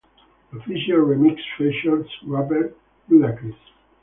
The official remix features rapper Ludacris.